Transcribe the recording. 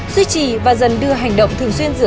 duy trì và dần đưa hành động thường xuyên giữa